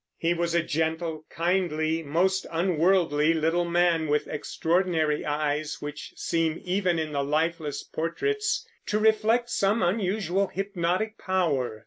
He was a gentle, kindly, most unworldly little man, with extraordinary eyes, which seem even in the lifeless portraits to reflect some unusual hypnotic power.